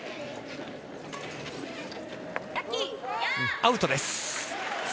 アウトです。